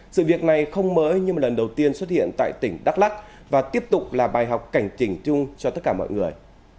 sự việc này không mới nhưng lần đầu tiên xuất hiện tại tỉnh đắk lắc và tiếp tục là bài học cảnh tỉnh chung cho tất cả mọi người